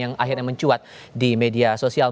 yang akhirnya mencuat di media sosial